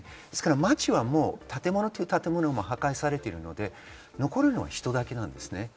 街はもう建物という建物が破壊されているので、残るのは人だけです。